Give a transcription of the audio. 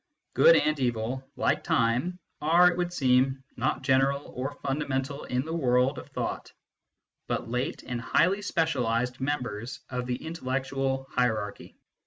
Good and evil, like time, are, it would seem, not general or fundamental in the world of thought, but late and highly specialised members of the intellectual hierarchy.